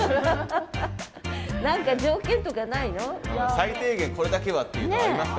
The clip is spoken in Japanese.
最低限これだけはっていうのありますか？